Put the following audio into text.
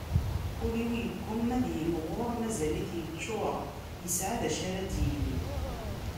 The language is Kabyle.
Ul-iw yegguma ad yemɣur, mazal-it yeččur, yesɛa d acu ara d-yini.